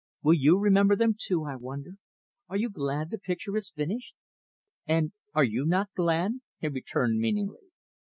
Will you remember them, too, I wonder. Are you glad the picture is finished?" "And are you not glad?" he returned meaningly.